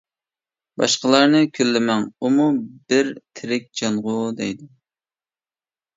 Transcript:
-باشقىلارنى كۈنلىمەڭ، ئۇمۇ بىر تىرىك جانغۇ، دەيدۇ.